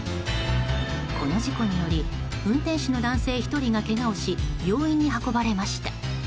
この事故により運転手の男性１人がけがをし病院に運ばれました。